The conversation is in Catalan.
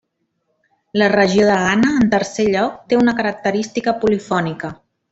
La regió de Ghana, en tercer lloc, té una característica polifònica.